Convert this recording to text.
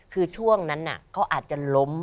คือช่วงนั้นเขาอาจจะล้ม